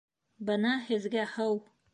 Бына һеҙгә һыу